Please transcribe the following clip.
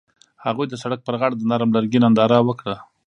هغوی د سړک پر غاړه د نرم لرګی ننداره وکړه.